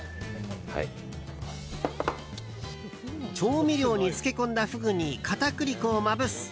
調味料に漬け込んだフグに片栗粉をまぶす。